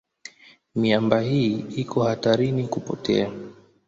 Miamba hii iko hatarini kupotea.